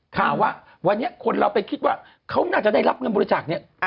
ข่าวว่าวันนี้คนเราไปคิดว่าเขาน่าจะได้รับเงินบริจาคเนี่ย